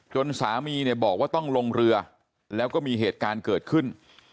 สามีเนี่ยบอกว่าต้องลงเรือแล้วก็มีเหตุการณ์เกิดขึ้น